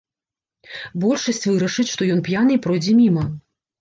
Большасць вырашыць, што ён п'яны, і пройдзе міма.